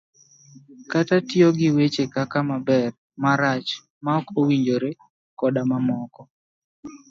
kata tiyo gi weche kaka" maber, marach, maok owinjore, " koda mamoko.